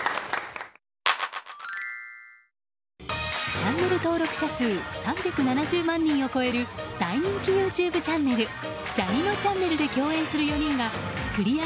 チャンネル登録者数３７０万人を超える大人気ＹｏｕＴｕｂｅチャンネル「ジャにのちゃんねる」で共演する４人がクリア